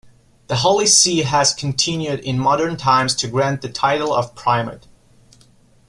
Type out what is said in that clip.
The Holy See has continued in modern times to grant the title of Primate.